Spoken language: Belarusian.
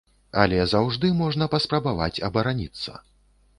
Але заўжды можна паспрабаваць абараніцца.